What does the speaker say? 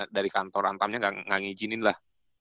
dari kantor antamnya gak ngijinin lah